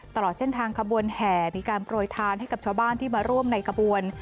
ตลอดเส้นทางขบวนแห่มีการโปรยทานให้กับชาวบ้านที่มาร่วมในขบวน